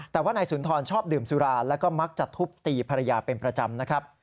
แต่ว่านายสุนทรชอบดื่มสุราแล้วก็มักจะทุบตีภรรยาเป็นประจำนะครับ